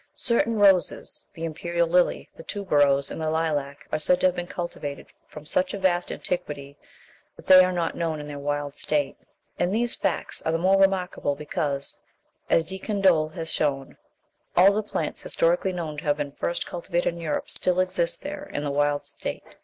Certain roses the imperial lily, the tuberose and the lilac are said to have been cultivated from such a vast antiquity that they are not known in their wild state. (Darwin, "Animals and Plants," vol. i., p. 370.) And these facts are the more remarkable because, as De Candolle has shown, all the plants historically known to have been first cultivated in Europe still exist there in the wild state.